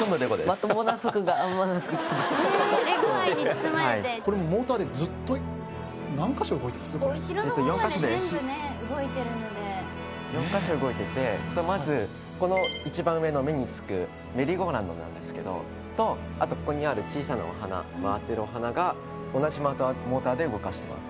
まともな服があんまなくってレゴ愛に包まれてこれモーターでずっと４カ所動いててまずこの一番上の目につくメリーゴーランドなんですけどとあとここにある小さなお花回ってるお花が同じモーターで動かしてます